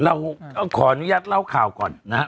เราขออนุญาตเล่าข่าวก่อนนะฮะ